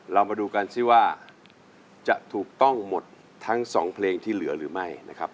เรามาดูกันสิว่าจะถูกต้องหมดทั้งสองเพลงที่เหลือหรือไม่นะครับ